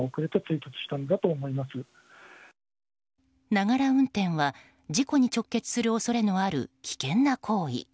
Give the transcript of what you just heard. ながら運転は、事故に直結する恐れのある危険な行為。